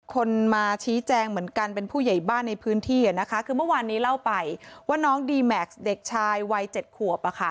คนมาชี้แจงเหมือนกันเป็นผู้ใหญ่บ้านในพื้นที่คือเมื่อวานนี้เล่าไปว่าน้องดีแม็กซ์เด็กชายวัย๗ขวบ